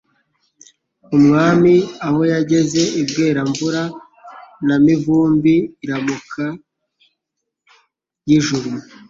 Umwami aho yageze i Bweramvura, Nta mivumbi iramuka y' ijuru